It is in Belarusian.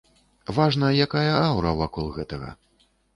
Важна, якая аўра вакол гэтага.